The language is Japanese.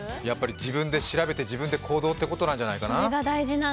自分で調べて自分で行動ってことなんじゃないかな。